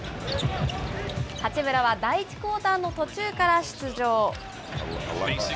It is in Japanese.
八村は第１クオーターの途中から出場。